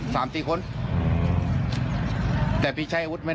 ก่อนที่ตอนวัดจนกัน